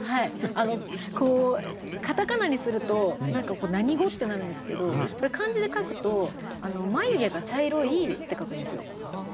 カタカナにすると何か何語？ってなるんですけどこれ漢字で書くと「眉毛が茶色い」って書くんですよ。